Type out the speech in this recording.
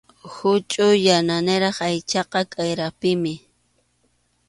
Huchʼuy yananiraq aychaqa k’ayrapinmi.